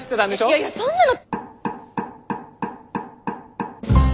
いやいやそんなの。